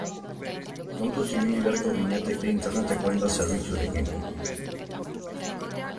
Kontuz ibili beharko ginateke Interneteko hainbat zerbitzurekin.